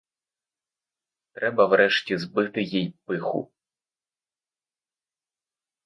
Треба врешті збити їй пиху.